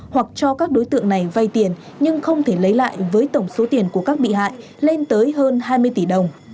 hoặc cho các đối tượng này vay tiền nhưng không thể lấy lại với tổng số tiền của các bị hại lên tới hơn hai mươi tỷ đồng